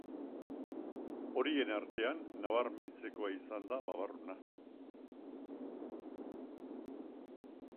Horien artean, nabarmentzekoa izan da babarruna.